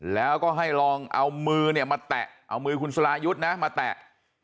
แล้วก็ให้ลองเอามือเนี่ยมาแตะเอามือคุณสรายุทธ์นะมาแตะ